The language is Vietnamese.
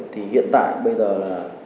thì hiện tại bây giờ là